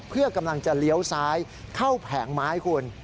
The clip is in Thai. เพื่อกำลังจะเลี้ยวซ้ายเข้าแผงไม้คุณ